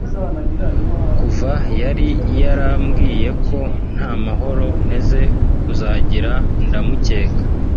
kuva yari yarambwiye ko nta mahoro nteze kuzagira ndamukeka